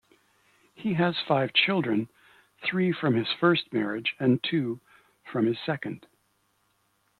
He has five children, three from his first marriage and two from his second.